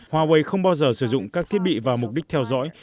huawei không bao giờ sử dụng các thiết bị và mục đích theo dõi